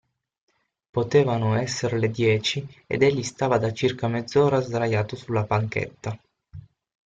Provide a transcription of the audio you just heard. Potevano esser le dieci ed egli stava da circa mezz'ora sdraiato sulla panchetta.